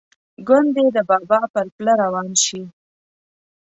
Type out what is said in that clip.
ګوندې د بابا پر پله روان شي.